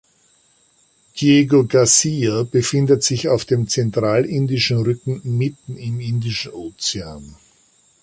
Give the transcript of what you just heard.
Diego Garcia befindet sich auf dem Zentralindischen Rücken mitten im Indischen Ozean.